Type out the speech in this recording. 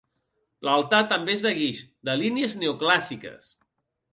L'altar també és de guix, de línies neoclàssiques.